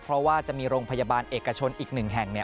เพราะว่าจะมีโรงพยาบาลเอกชนอีก๑แห่ง